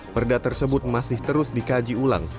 perda tersebut masih terus dikaji ulang